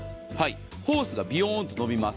ホースがびよんと伸びます。